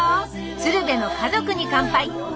「鶴瓶の家族に乾杯」